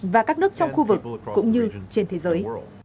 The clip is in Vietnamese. và các nước trong khu vực cũng như trên thế giới